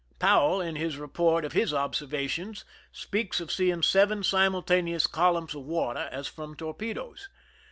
Powell in his report of his observations speaks of seeing seven simulta neous columns of water as from torpedoes.